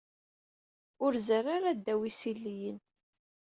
Ur zerri ara ddaw yisiliyen.